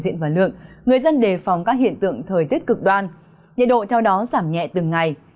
diện và lượng người dân đề phòng các hiện tượng thời tiết cực đoan nhiệt độ theo đó giảm nhẹ từng ngày